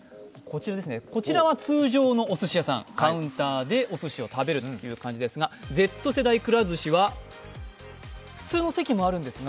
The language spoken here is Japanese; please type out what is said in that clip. こちらは通常のおすし屋さん、カウンターでおすしを食べるという感じですが、Ｚ世代くら寿司は、普通の席もあるんですか